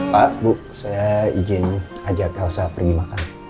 pak bu saya izin ajak elsa pergi makan